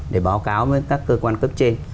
để báo cáo với các cơ quan cấp trên